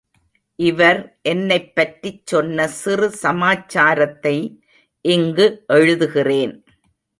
இவர் என்னைப்பற்றிச் சொன்ன சிறு சமாச்சாரத்தை இங்கு எழுது கிறேன்.